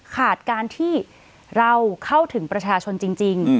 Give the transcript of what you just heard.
ขาดการที่เราเข้าถึงประชาชนจริง